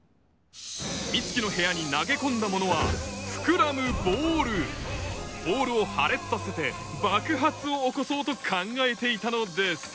美月の部屋に投げ込んだものは膨らむボールボールを破裂させて爆発を起こそうと考えていたのです